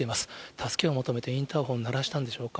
助けを求めて、インターホンを鳴らしたんでしょうか。